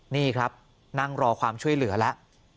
นี่ครับนั่งรอความช่วยเหลือแล้ว